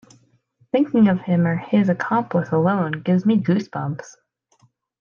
Thinking of him or his accomplice alone gives me goose bumps.